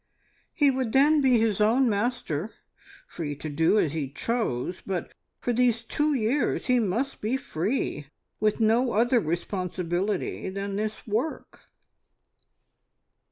He would then be his own master, free to do as he chose, but for these two years he must be free, with no other responsibility than this work."